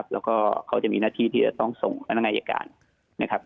แล้วก็เขาจะมีหน้าที่ที่จะต้องส่งพนักงานอายการนะครับ